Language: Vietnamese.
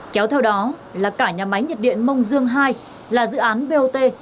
kéo theo đó là cả nhà máy nhiệt điện mông dương hai là dự án bot